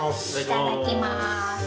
いただきます。